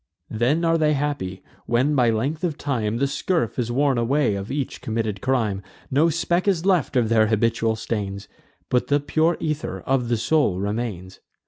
Then are they happy, when by length of time The scurf is worn away of each committed crime; No speck is left of their habitual stains, But the pure ether of the soul remains.